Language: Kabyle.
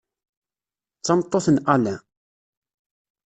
D tameṭṭut n Alain.